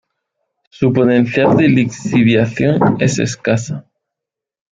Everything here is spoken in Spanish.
Su potencial de lixiviación es escasa.